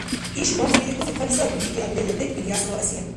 — Иш бамсри ихъуси хъали саби, — рикӀи отделла бекӀ Ильясова Асият.